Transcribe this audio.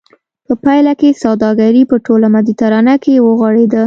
په پایله کې سوداګري په ټوله مدیترانه کې وغوړېده